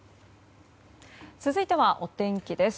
続いてはお天気です。